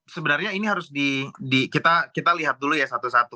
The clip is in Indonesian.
sebenarnya ini harus kita lihat dulu ya satu satu